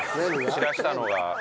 散らしたのが。